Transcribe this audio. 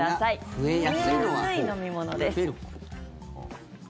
増えやすい飲み物です。